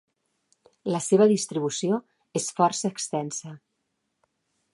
La seva distribució és força extensa.